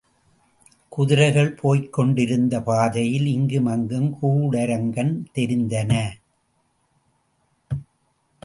குதிரைகள் போய்க் கொண்டேயிருந்த பாதையில் இங்குமங்கும் கூடாரங்கன் தெரிந்தன.